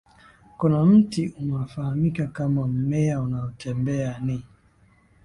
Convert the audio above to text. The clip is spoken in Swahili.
kuna mti unaofahamika kama mmea unaotembea ni